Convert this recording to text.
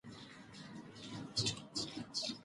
دوی به ځانونه تر سپین بولدکه رسولي.